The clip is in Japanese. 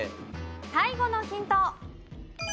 最後のヒント。